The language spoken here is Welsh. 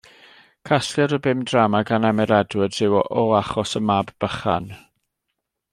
Casgliad o bum drama gan Emyr Edwards yw O Achos y Mab Bychan.